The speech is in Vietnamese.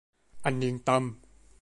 Anh yên tâm